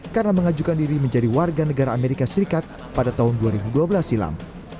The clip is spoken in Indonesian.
karena mengajukan diri menjadi warga negara amerika serikat pada tahun dua ribu dua belas silam